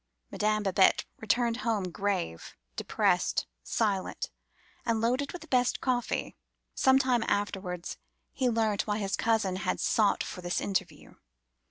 Madame Babette returned home, grave, depressed, silent, and loaded with the best coffee. Some time afterwards he learnt why his cousin had sought for this interview.